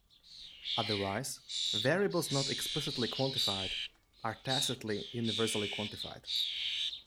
Otherwise, variables not explicitly quantified are tacitly universally quantified.